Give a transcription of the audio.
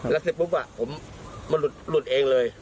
แล้วสิปุ๊บอะผมมันหลุดเองเลย